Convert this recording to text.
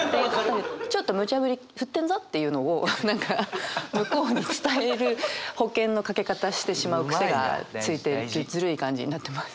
ちょっとむちゃ振り振ってんぞっていうのを何か向こうに伝える保険のかけ方してしまう癖がついてずるい感じになってます。